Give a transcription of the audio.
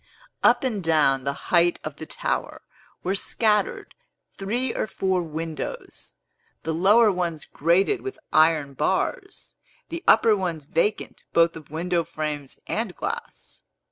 Up and down the height of the tower were scattered three or four windows, the lower ones grated with iron bars, the upper ones vacant both of window frames and glass.